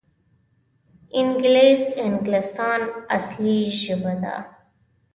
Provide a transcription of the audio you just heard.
انګلیسي د انګلستان اصلي ژبه ده